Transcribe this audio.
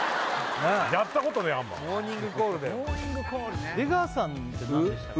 やったことねえあんまモーニングコールだよ出川さんって何でしたっけ？